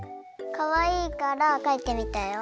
かわいいからかいてみたよ。